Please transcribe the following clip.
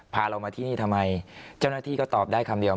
เรามาที่นี่ทำไมเจ้าหน้าที่ก็ตอบได้คำเดียว